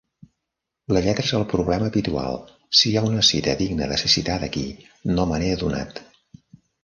La lletra és el problema habitual; si hi ha una cita digna de ser citada aquí, no me n'he adonat.